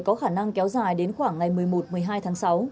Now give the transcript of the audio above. có khả năng kéo dài đến khoảng ngày một mươi một một mươi hai tháng sáu